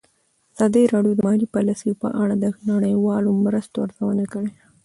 ازادي راډیو د مالي پالیسي په اړه د نړیوالو مرستو ارزونه کړې.